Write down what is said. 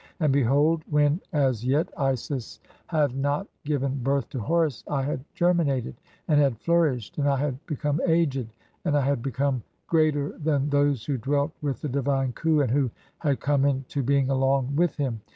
And behold, when as yet Isis "had not given birth to Horus, I had germinated, and had "flourished, and I had become aged, (19) and I had become "greater than those who dwelt with the divine Khu, and who "had come into being along with him.